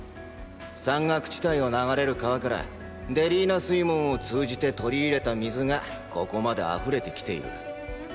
山岳地帯を流れる川からデリーナ水門を通じて取り入れた水がここまで溢れてきている。